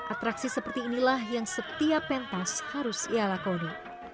atraksi seperti inilah yang setiap pentas harus ia lakoni